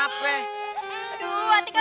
tapi jangan deket deket kali